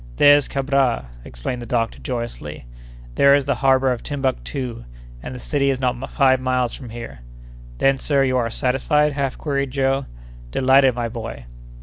"There's Kabra!" exclaimed the doctor, joyously; "there is the harbor of Timbuctoo, and the city is not five miles from here!" "Then, sir, you are satisfied?" half queried Joe. "Delighted, my boy!"